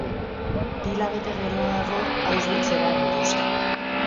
Bi hilabete geroago Auschwitzera heldu zen.